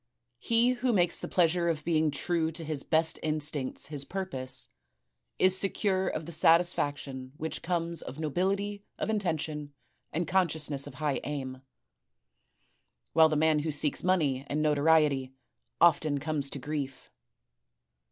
He who makes the pleasiure of being FINAL ADVICES 335 true to his best instincts his purpose, is secure of the satis faction which comes of nobility of intention and conscious ness of high aim, while the man who seeks money and no toriety often comes to grief.